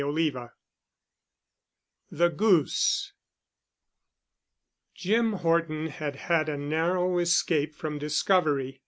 *CHAPTER III* *THE GOOSE* Jim Horton had had a narrow escape from discovery.